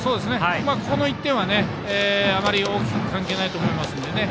ここの１点はあまり大きく関係ないと思いますので。